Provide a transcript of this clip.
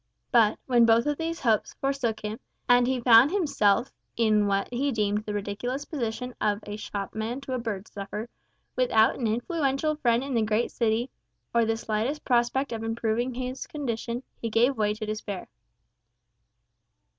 But, when both of these hopes forsook him, and he found himself in what he deemed the ridiculous position of shopman to a bird stuffer, without an influential friend in the great city, or the slightest prospect of improving his condition, he gave way to despair.